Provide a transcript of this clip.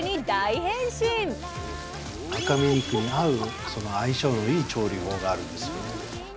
赤身肉に合う相性のいい調理法があるんですよね。